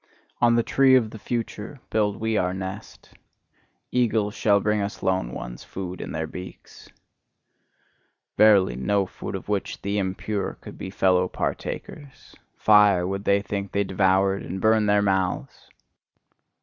On the tree of the future build we our nest; eagles shall bring us lone ones food in their beaks! Verily, no food of which the impure could be fellow partakers! Fire, would they think they devoured, and burn their mouths!